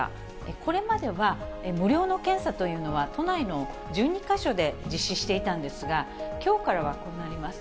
これまでは無料の検査というのは、都内の１２か所で実施していたんですが、きょうからはこうなります。